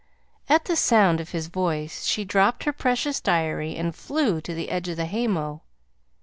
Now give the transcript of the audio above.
At the sound of his vice she dropped her precious diary, and flew to the edge of the haymow.